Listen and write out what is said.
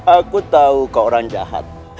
aku tahu kau orang jahat